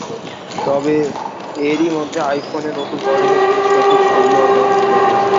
তবে এরই মধ্যে আইফোনের নতুন মডেলের বেশ কয়েকটি ছবি অনলাইনে প্রকাশ হয়েছে।